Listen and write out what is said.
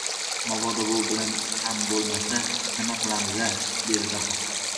— Mabodo bu bilan ham bo‘lmasa nima qilamiz-a? — dedi Daho.